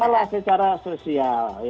kalau secara sosial ya